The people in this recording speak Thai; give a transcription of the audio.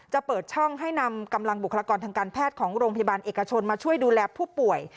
เปิดช่องให้นำกำลังบุคลากรทางการแพทย์ของโรงพยาบาลเอกชนมาช่วยดูแลผู้ป่วย